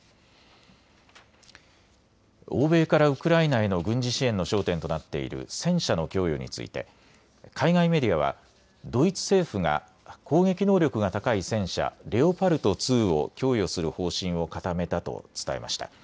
欧米からウクライナへの軍事支援の焦点となっている戦車の供与について海外メディアはドイツ政府が攻撃能力が高い戦車レオパルト２を供与する方針を固めたと伝えました。